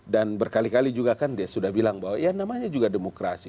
dan berkali kali juga kan dia sudah bilang bahwa ya namanya juga demokrasi